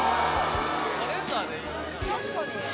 カレンダーでいいよね。